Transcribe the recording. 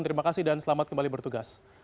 terima kasih dan selamat kembali bertugas